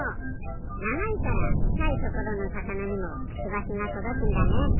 ながいからふかいところのさかなにもクチバシがとどくんだね。